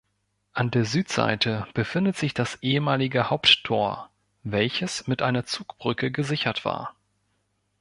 An der Südseite befindet sich das ehemalige Haupttor, welches mit einer Zugbrücke gesichert war.